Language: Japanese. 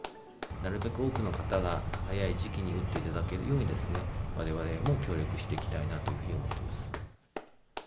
なるべく多くの方が、早い時期に打っていただけるように、われわれも協力していきたいなというふうに思ってます。